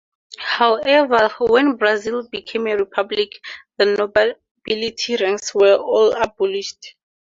However, when Brazil became a Republic, the nobility ranks were all abolished.